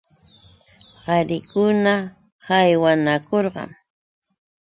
Qarikuna ahuwanakurqan.